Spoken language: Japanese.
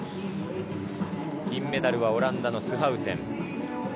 金メダルはオランダのスハウテン。